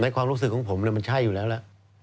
ความรู้สึกของผมมันใช่อยู่แล้วล่ะ